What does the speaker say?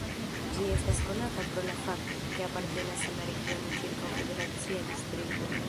Ĝi estas konata pro la fakto, ke apartenas al la regiono ĉirkaŭ Federacia Distrikto.